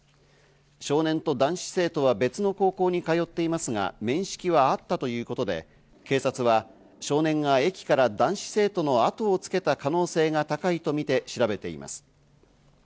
少年と男子生徒は別の高校に通っていますが、面識はあったということで、警察は少年が駅から男子生徒の後をつけた可能性が高いとみて調べています。